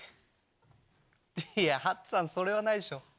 いやはっつぁんそれはないでしょう。